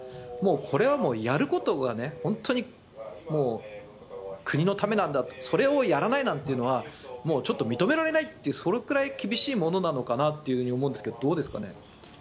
もうこれはやることが本当に国のためなんだとそれをやらないなんていうのはちょっと認められないというそれくらい厳しいものなのかなと思うんですがどうなんですかね。